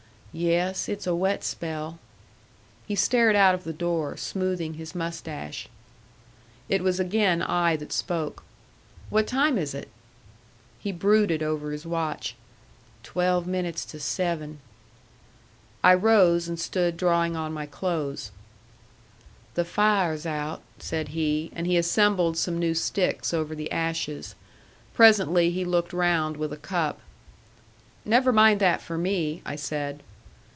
"Yes. It's a wet spell." He stared out of the door, smoothing his mustache. It was again I that spoke. "What time is it?" He brooded over his watch. "Twelve minutes to seven." I rose and stood drawing on my clothes. "The fire's out," said he; and he assembled some new sticks over the ashes. Presently he looked round with a cup. "Never mind that for me," I said.